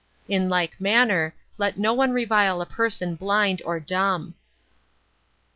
32. In like manner, let no one revile a person blind or dumb. 33.